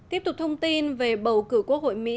tiếp tục thông tin về bầu cử quốc hội mỹ